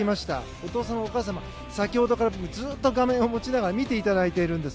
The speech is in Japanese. お父様、お母様先ほどから画面を持ちながら見ていただいているんです。